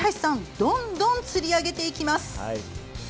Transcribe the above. どんどん釣り上げていきます。